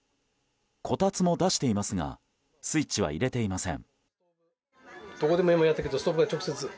こたつも出していますがスイッチは入れていません。